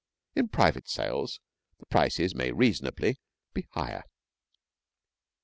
In private sales the prices may reasonably be higher.